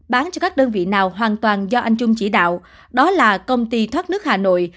bán cho các đơn vị nào hoàn toàn do anh trung chỉ đạo đó là công ty thoát nước hà nội